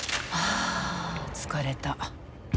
あ疲れた。